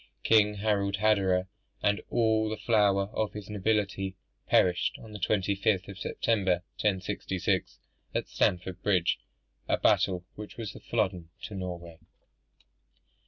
King Harald Hardrada, and all the flower of his nobility, perished on the 25th of September, 1066, at Stamford Bridge; a battle which was a Flodden to Norway.